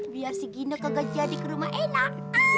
biar si gini kegagian di rumah elak